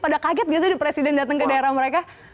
pada kaget nggak sih presiden datang ke daerah mereka